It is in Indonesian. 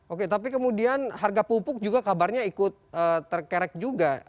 oke tapi kemudian harga pupuk juga kabarnya ikut terkerek juga